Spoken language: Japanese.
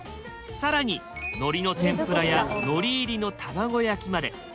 更に海苔の天ぷらや海苔入りの卵焼きまで。